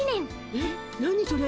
えっ何それ？